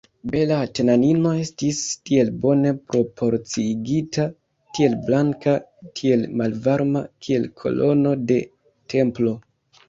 Bela Atenanino estis tiel bone proporciigita, tiel blanka, tiel malvarma, kiel kolono de templo.